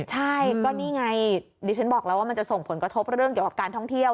ใช่ก็นี่ไงดิฉันบอกแล้วว่ามันจะส่งผลกระทบเรื่องเกี่ยวกับการท่องเที่ยว